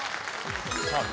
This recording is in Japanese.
さあ